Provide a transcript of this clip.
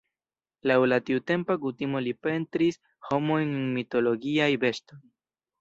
Laŭ la tiutempa kutimo li pentris homojn en mitologiaj vestoj.